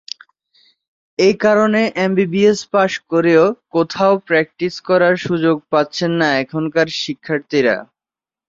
এ কারণে MBBS pass করেও কোথাও প্র্যাকটিস করার সুযোগ পাচ্ছেন না এখানকার শিক্ষার্থীরা।